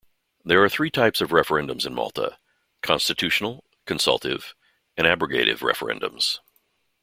There are three types of referendums in Malta: constitutional, consultative and abrogative referendums.